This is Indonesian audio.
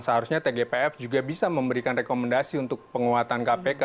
seharusnya tgpf juga bisa memberikan rekomendasi untuk penguatan kpk